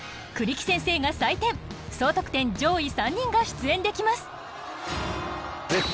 栗木先生が採点総得点上位３人が出演できます。